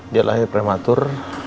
dia lahir prematur